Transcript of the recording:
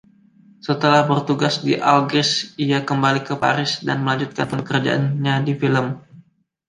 Setelah bertugas di Algiers, ia kembali ke Paris dan melanjutkan pekerjaannya di film.